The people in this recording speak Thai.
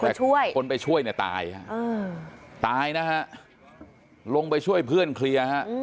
คนไปช่วยเนี่ยตายฮะตายตายนะฮะลงไปช่วยเพื่อนเคลียร์ฮะ